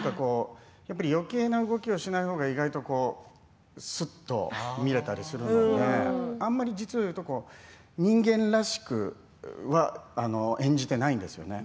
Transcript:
やっぱりよけいな動きをしない方が意外とすっと見られたりするのであまり実は人間らしくは演じていないんですよね